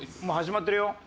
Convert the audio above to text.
もう始まってるよ。